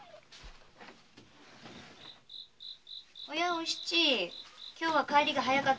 お七今日は帰りが早かったのね。